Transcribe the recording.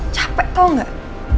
capek tau gak